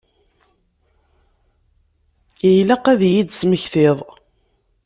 Ilaq ad iyi-d-tesmektiḍ.